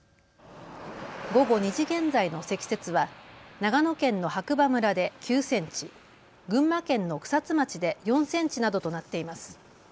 午後２時現在の積雪は長野県の白馬村で９センチ、群馬県の草津町で４センチなどとなっています。